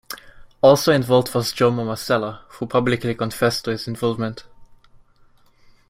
Also involved was Joe Mamasela, who publicly confessed to his involvement.